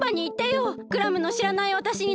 クラムのしらないわたしになるから。